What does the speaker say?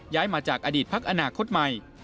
มาจากอดีตพักอนาคตใหม่